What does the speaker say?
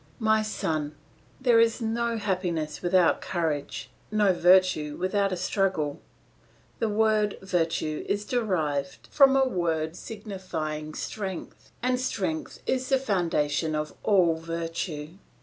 "My son, there is no happiness without courage, nor virtue without a struggle. The word virtue is derived from a word signifying strength, and strength is the foundation of all virtue.